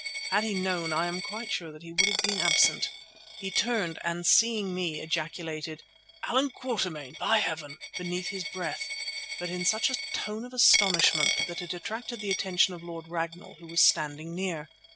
Had he known I am quite sure that he would have been absent. He turned, and seeing me, ejaculated: "Allan Quatermain, by heaven!" beneath his breath, but in such a tone of astonishment that it attracted the attention of Lord Ragnall, who was standing near.